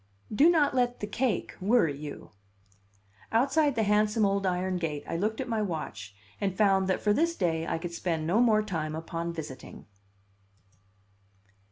"Do not let the cake worry you." Outside the handsome old iron gate I looked at my watch and found that for this day I could spend no more time upon visiting.